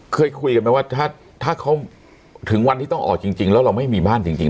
เคยคุยกันไหมว่าถ้าเขาถึงวันที่ต้องออกจริงแล้วเราไม่มีบ้านจริง